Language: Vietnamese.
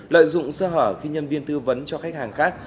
lợi dụng sơ hở khi nhân viên tư vấn cho khách hàng khác